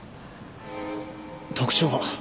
特徴は？